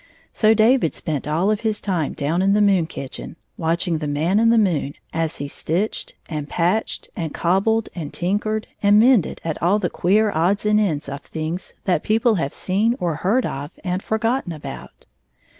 So David spent all of his time down in the moon kitchen, watching the Man in the moon as he stitched and patched and cobbled and tinkered and mended at all the queer odds and ends of things that people have seen or heard of and for gotten about.